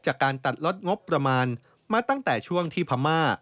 จากการตัดลดงบประมาณมาตั้งแต่ช่วงที่พม่า